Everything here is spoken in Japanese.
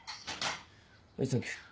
はいサンキュー。